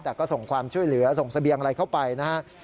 แต่ก็ส่งความช่วยเหลือส่งเสบียงอะไรเข้าไปนะฮะ